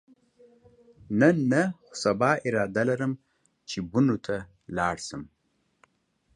نن نه، خو سبا اراده لرم چې بنو ته لاړ شم.